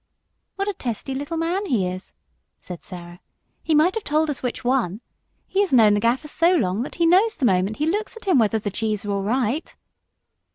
"What a testy little man he is!" said Sarah; "he might have told us which won. He has known the Gaffer so long that he knows the moment he looks at him whether the gees are all right."